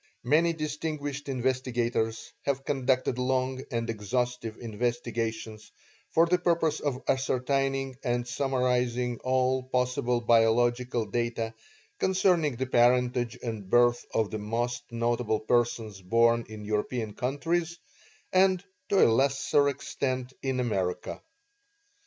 Many distinguished investigators have conducted long and exhaustive investigations for the purpose of ascertaining and summarizing all possible biological data concerning the parentage and birth of the most notable persons born in European countries, and to a lesser extent in America.